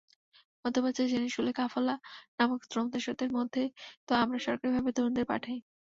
মধ্যপ্রাচ্যে জেনেশুনে কাফালা নামক শ্রমদাসত্বের মধ্যে তো আমরাই সরকারিভাবে তরুণদের পাঠাই।